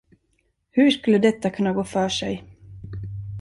Hur skulle detta kunna gå för sig?